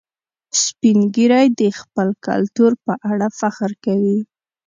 سپین ږیری د خپل کلتور په اړه فخر کوي